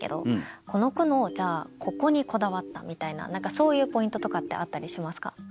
この句のここにこだわったみたいな何かそういうポイントとかってあったりしますか？